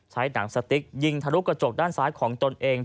หนังสติ๊กยิงทะลุกระจกด้านซ้ายของตนเอง